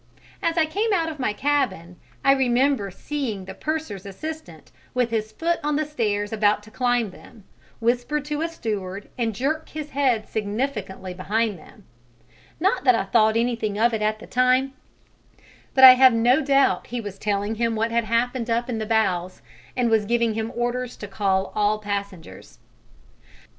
As I came out of my cabin, I remember seeing the purser's assistant, with his foot on the stairs about to climb them, whisper to a steward and jerk his head significantly behind him; not that I thought anything of it at the time, but I have no doubt he was telling him what had happened up in the bows, and was giving him orders to call all passengers.